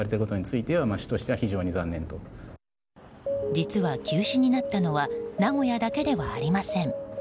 実は、休止になったのは名古屋だけではありません。